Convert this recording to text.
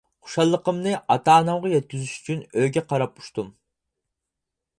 خۇشاللىقىمنى ئاتا ئانامغا يەتكۈزۈش ئۈچۈن ئۆيگە قاراپ ئۇچتۇم.